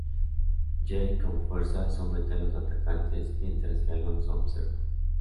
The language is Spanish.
Jake con fuerza, somete a los atacantes, mientras que Alonzo observa.